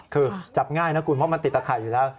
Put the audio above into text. คือจับง่ายนะคุณเพราะมันติดตะไข่อยู่แล้ว